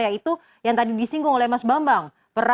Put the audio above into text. yaitu yang tadi disinggung oleh mas bambang